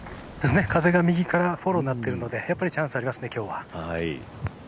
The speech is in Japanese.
風が右からフォローになってるのでチャンスありますね、今日は。